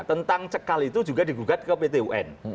tentang cekal itu juga digugat ke pt un